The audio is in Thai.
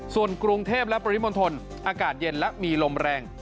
ส่วนกรุงเทพและปริมณฑลอากาศเย็นและมีลมแรง